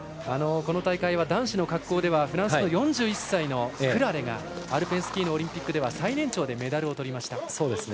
この大会は男子の滑降ではフランスの４１歳のクラレがオリンピックでは最年長でメダルをとりました。